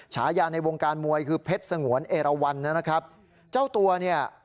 ฉายาในวงการมวยคือเพชรสงวนเอราวันนะครับเจ้าตัวเนี่ย